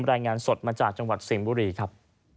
รายงานสดมาจากจังหวัดสิงห์บุรีครับ